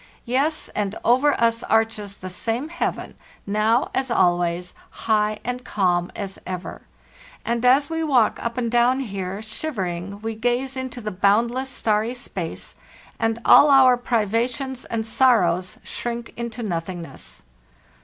Yes; and over us arches the same heaven now as always, high and calm as ever; and as we walk up and down here shivering we gaze into the boundless starry space, and all our privations and sorrows shrink into nothingness.